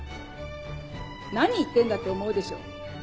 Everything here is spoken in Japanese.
何言ってんだって思うでしょう。